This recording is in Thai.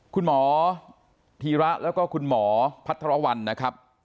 คุณหมอธีระแล้วก็คุณหมอพัทรวรรณนะครับ